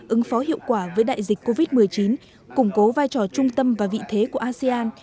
ứng phó hiệu quả với đại dịch covid một mươi chín củng cố vai trò trung tâm và vị thế của asean